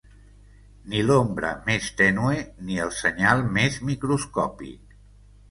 Ni l'ombra més tènue ni el senyal més microscòpic.